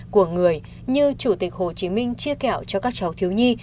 của người như chủ tịch hồ chí minh chia kẹo cho các cháu thiếu nhi